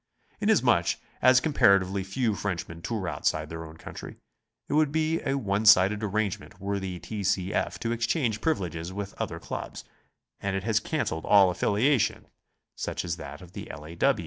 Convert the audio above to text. Inasmuch as comparatively few Frenchmen tour outside their own country, it would be a one sided arrangement were the T. C. F. to exchange privileges with other clubs, and it has cancelled all affiliation such as that of the L. A.